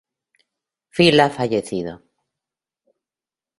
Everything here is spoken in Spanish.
Phil ha fallecido.